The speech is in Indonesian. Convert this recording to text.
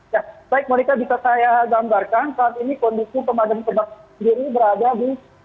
ya baik monica bisa saya gambarkan saat ini kondisi pemadam kemas